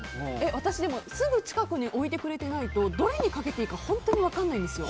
私、すぐ近くに置いてくれてないとどれにかけていいか本当に分からないんですよ。